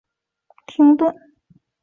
翌年省际联赛因战争临近而停顿。